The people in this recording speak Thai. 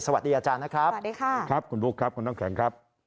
สวัสดีอาจารย์นะครับสวัสดีค่ะคุณพุทธครับคุณทางแขกครับ